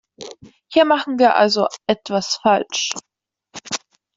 Hier machen wir also etwas falsch.